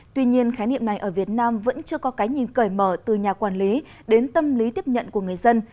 tuy nhiên khái niệm này ở việt nam vẫn chưa có cái nhìn cởi mở từ nhà quản lý đến tâm lý tiếp nhận của người dân